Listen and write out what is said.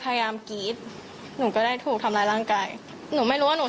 กรี๊ดหนูก็ได้ถูกทำร้ายร่างกายหนูไม่รู้ว่าหนู